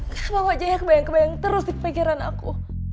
kenapa wajahnya kebayang kebayang terus di pikiran aku